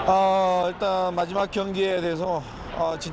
oh itu terakhir pertandingan ini